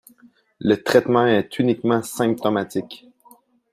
Le traitement est uniquement symptomatique.